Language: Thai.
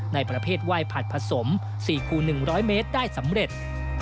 ในประเภทไหว้ผัดผสม๔คูณ๑๐๐เมตรได้สำเร็จ